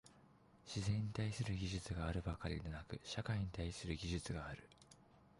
自然に対する技術があるばかりでなく、社会に対する技術がある。